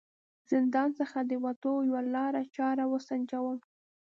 زندان څخه د وتلو یوه لاره چاره و سنجوم.